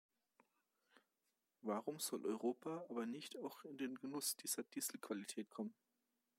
Warum soll Europa aber nicht auch in den Genuss dieser Dieselqualität kommen?